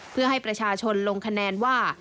เพื่อให้ประชาชนลงคะแนนว่า